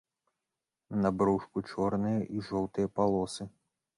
На брушку чорныя і жоўтыя палосы.